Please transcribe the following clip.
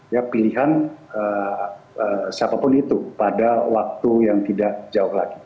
ya pilihan siapapun itu pada waktu yang tidak jauh lagi